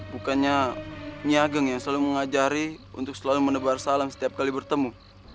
bukannya niageng yang selalu mengajari untuk selalu menebar salam setiap kali bertemu